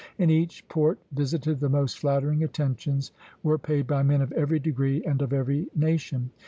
In each port visited the most flattering attentions were paid by men of every degree and of every nation.